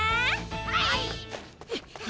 はい。